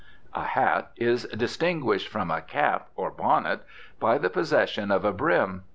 A hat is distinguished from a cap or bonnet by the possession of a brim.